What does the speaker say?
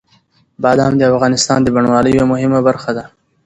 بادام د افغانستان د بڼوالۍ یوه مهمه برخه ده.